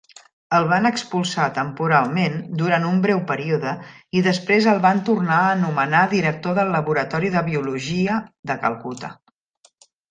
El van expulsar temporalment durant un breu període i després el van tornar a anomenar director del Laboratori de Biologia de Calcuta.